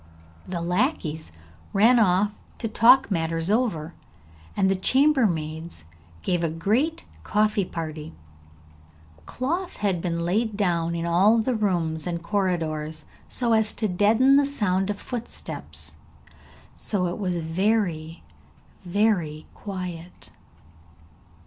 The lackeys ran off to talk matters over, and the chambermaids gave a great coffee party. Cloth had been laid down in all the rooms and corridors so as to deaden the sound of footsteps, so it was very, very quiet.